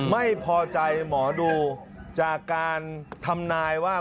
ไม่พอใจหมอดูจากการทำนายว่า